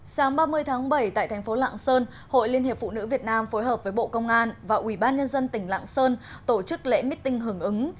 sáng ba mươi tháng bảy tại thành phố lạng sơn hội liên hiệp phụ nữ việt nam phối hợp với bộ công an và ubnd tỉnh lạng sơn tổ chức lễ meeting hưởng ứng